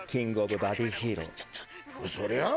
そりゃあ